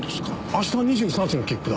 明日２３日の切符だ。